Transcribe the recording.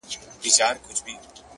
• د ژورو اوبو غېږ کي یې غوټې سوې,